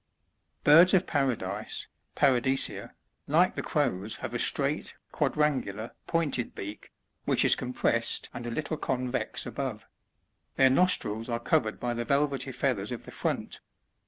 ] 79. Birds op Paradise, — Paradis€ea, — like the Crows have a straight, quadrangular, pointed beak, which is compressed and a little convex above ; their nostrils are covered by the velvety feathers of the front.